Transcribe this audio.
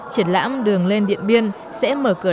triển lãm đường lên điện biên sẽ mở cửa